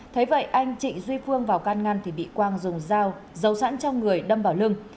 thế vậy anh chị duy phương vào căn ngăn thì bị quang dùng dao dấu sẵn trong người đâm vào lưng